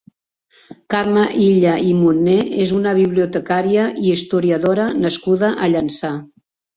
Carme Illa i Munné és una bibliotecària i historiadora nascuda a Llançà.